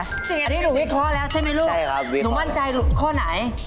อันนี้หนูวิเคราะห์แล้วใช่ไหมลูกหนูมั่นใจข้อไหนใช่ครับวิเคราะห์